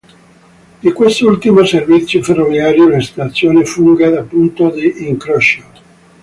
Di quest'ultimo servizio ferroviario la stazione funge da punto di incrocio.